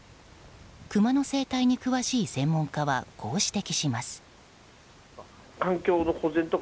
クマの生態に詳しい専門家はこう指摘します。